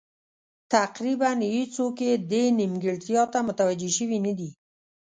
تقریبا هېڅوک یې دې نیمګړتیا ته متوجه شوي نه دي.